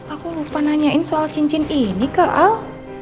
aku lupa nanyain soal cincin ini ke al